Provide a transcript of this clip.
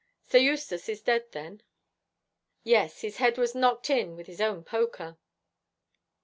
'Sir Eustace is dead, then?' 'Yes, his head was knocked in with his own poker.'